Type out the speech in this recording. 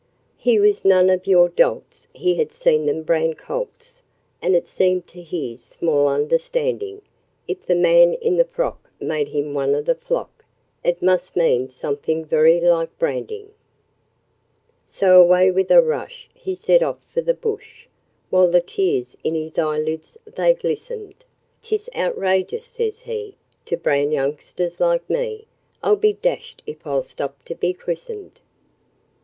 He was none of your dolts, he had seen them brand colts, And it seemed to his small understanding, If the man in the frock made him one of the flock, It must mean something very like branding. So away with a rush he set off for the bush, While the tears in his eyelids they glistened ''Tis outrageous,' says he, 'to brand youngsters like me, I'll be dashed if I'll stop to be christened!'